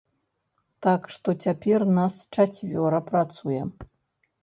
Так што цяпер нас чацвёра працуе.